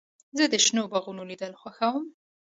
زه د شنو باغونو لیدل خوښوم.